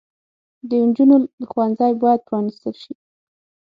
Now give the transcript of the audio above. د انجونو ښوونځي بايد پرانستل شي